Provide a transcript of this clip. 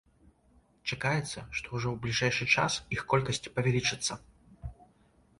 Чакаецца, што ўжо ў бліжэйшы час іх колькасць павялічыцца.